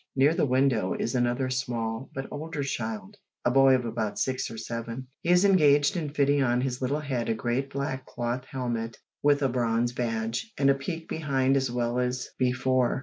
Near the window is another small, but older child a boy of about six or seven. He is engaged in fitting on his little head a great black cloth helmet with a bronze badge, and a peak behind as well as before.